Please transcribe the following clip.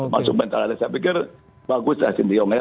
maksud mentalnya saya pikir bagus lah sintiong ya